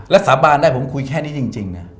แล้วสาบานได้ผมคุยแค่นี้จริงนะ